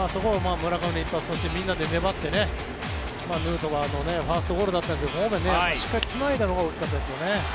村上そしてみんなで粘ってヌートバーのファーストゴロだったんですがしっかりつないだのも大きかったですね。